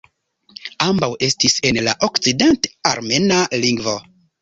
Ambaŭ estis en la okcident-armena lingvo.